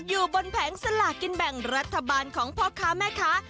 อยู่บนแผงสลากินแบ่งรัฐบาลของพ่อค้าแม่ค้า